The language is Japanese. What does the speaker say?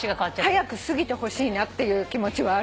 早く過ぎてほしいなっていう気持ちはあるよね。